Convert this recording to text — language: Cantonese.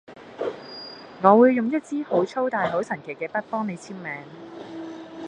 我會用一支好粗大好神奇嘅筆幫你簽名